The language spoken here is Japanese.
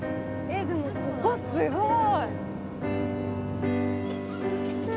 えすごい。